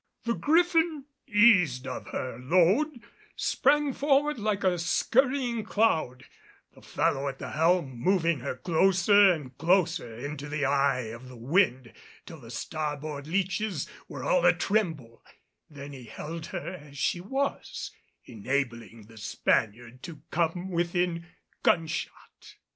The Griffin, eased of her load, sprang forward like a scurrying cloud, the fellow at the helm moving her closer and closer into the eye of the wind till the starboard leeches were all a tremble; then he held her as she was, enabling the Spaniard to come within gunshot.